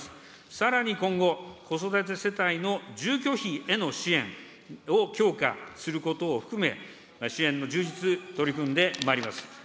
さらに今後、子育て世帯の住居費への支援を強化することを含め、支援の充実、取り組んでまいります。